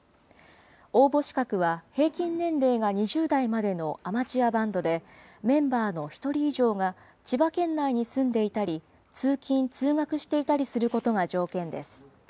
応募資格は平均年齢が２０代までのアマチュアバンドで、メンバーの１人以上が千葉県内に住んでいたり、通勤・通学していたりすることが条件です。